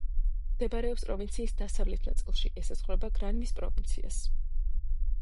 მდებარეობს პროვინციის დასავლეთ ნაწილში, ესაზღვრება გრანმის პროვინციას.